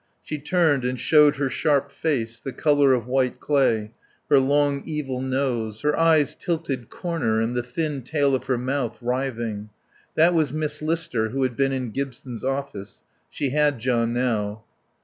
She turned and showed her sharp face, the colour of white clay, her long evil nose, her eyes tilted corner and the thin tail of her mouth, writhing. That was Miss Lister who had been in Gibson's office. She had John now.